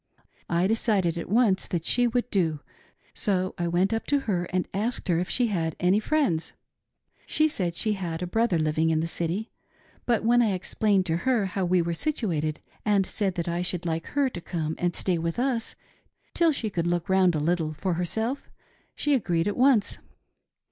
I decided at once that she would do, so I went up to her and asked her if she had any friends. She said she had a brother living in the City ; but when I explained to her how we were situated and said that I should like her to come and stay with us till she could look round a little for herself, she agreed at once.